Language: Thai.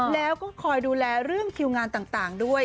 แล้วก็คอยดูแลเรื่องคิวงานต่างด้วย